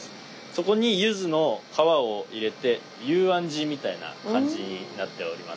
そこにゆずの皮を入れて幽庵地みたいな感じになっております。